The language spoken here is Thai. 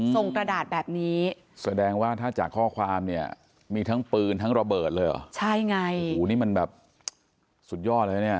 กระดาษแบบนี้แสดงว่าถ้าจากข้อความเนี่ยมีทั้งปืนทั้งระเบิดเลยเหรอใช่ไงโอ้โหนี่มันแบบสุดยอดเลยนะเนี่ย